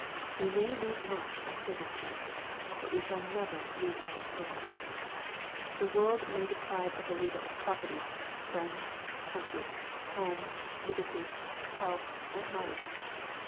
We may lose much by serving Christ, but we shall never lose our souls. The world may de priveabelieverof property, friends, country, home, liberty, health, and life.